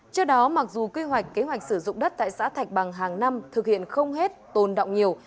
trước đó mặc dù quy hoạch kế hoạch sử dụng đất tại xã thạch bằng hàng năm thực hiện không hết tồn động nhiều